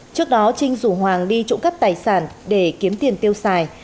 trước đó trinh dũ hoàng đi trộm cấp tài sản để kiếm tiền tiêu xài